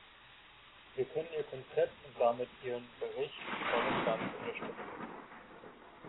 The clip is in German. Wir können ihr Konzept und damit ihren Bericht voll und ganz unterstützen.